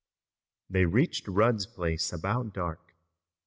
They reached Rudd's place about dark.